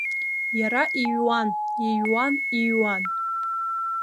Иара иҩуан, иҩуан, иҩуан.